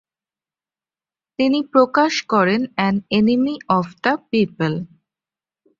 তিনি প্রকাশ করেন an enemy of the people.